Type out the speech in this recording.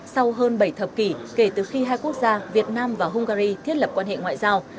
sau hơn bảy thập kỷ kể từ khi hai quốc gia việt nam và hungary thiết lập quan hệ ngoại giao